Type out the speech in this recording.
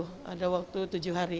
masih ada waktu ada waktu tujuh hari